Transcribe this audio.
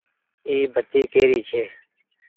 اي بتي ڪي ري ڇي۔